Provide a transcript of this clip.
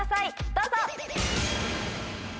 どうぞ！